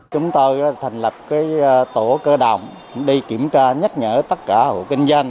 chúng tôi thành lập tổ cơ động đi kiểm tra nhắc nhở tất cả hộ kinh doanh